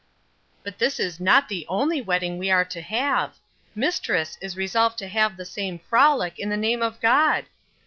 But this is not the only wedding we are to have Mistriss is resolved to have the same frolick, in the naam of God!